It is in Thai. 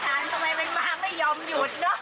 หาทานเลยมันไม่ยอมหยุดเนอะ